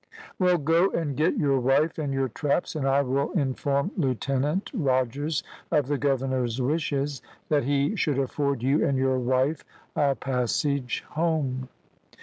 "Well, go and get your wife and your traps, and I will inform Lieutenant Rogers of the governor's wishes, that he should afford you and your wife a passage home."